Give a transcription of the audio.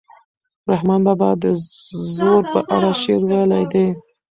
رحمان بابا د زور په اړه شعر ویلی دی.